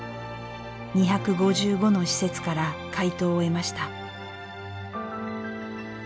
２５５の施設から回答を得ました。